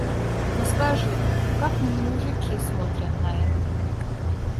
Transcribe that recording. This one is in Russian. Но скажи, как мужики смотрят на это?